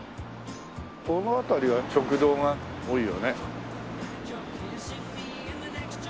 この辺りは食堂が多いよね。